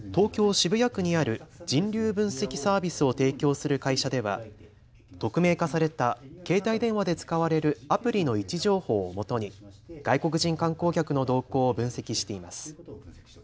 渋谷区にある人流分析サービスを提供する会社では匿名化された携帯電話で使われるアプリの位置情報をもとに外国人観光客の動向を分析しています。